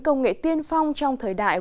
công nghệ tiên phong trong thời đại